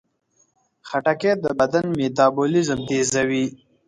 خټکی د بدن میتابولیزم تیزوي.